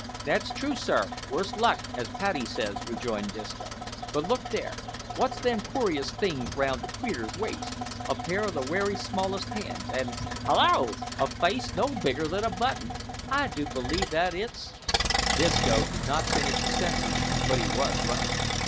"That's true, sir, worse luck, as Paddy says," rejoined Disco. "But look there: wot's them coorious things round the creetur's waist a pair o' the werry smallest hands and, hallo! a face no bigger than a button! I do believe that it's " Disco did not finish the sentence, but he was right.